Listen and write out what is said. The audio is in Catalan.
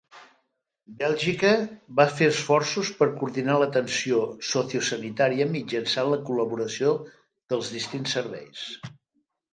Bèlgica va fer esforços per coordinar l'atenció sociosanitària mitjançant la col·laboració dels distints serveis.